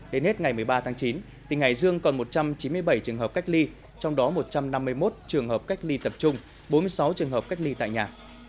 đến hết ngày một mươi ba tháng chín tỉnh hải dương còn một trăm chín mươi bảy trường hợp cách ly trong đó một trăm năm mươi một trường hợp cách ly tập trung bốn mươi sáu trường hợp cách ly tại nhà